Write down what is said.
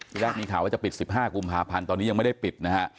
ทีแรกมีข่าวว่าจะปิด๑๕กุมภาพันธ์ตอนนี้ยังไม่ได้ปิดนะฮะ